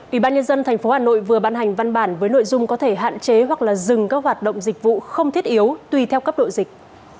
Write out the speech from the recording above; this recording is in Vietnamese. ủy ban nhân dân tp hà nội vừa ban hành văn bản với nội dung có thể hạn chế hoặc dừng các hoạt động dịch vụ không thiết yếu tùy theo cấp độ dịch